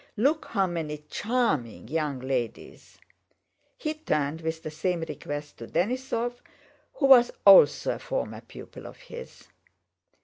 "Look how many charming young ladies—" He turned with the same request to Denísov who was also a former pupil of his.